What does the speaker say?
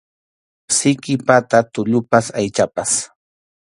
Siki pata tullupas aychapas.